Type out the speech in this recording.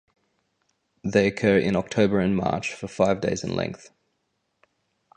They occur in October and March for five days in length.